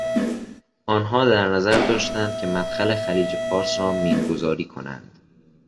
آنها در نظر داشتند که مدخل خلیج فارس را مین گذاری کنند.